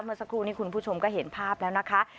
เมื่อสักครู่นี้คุณผู้ชมก็เห็นภาพแล้วนะคะ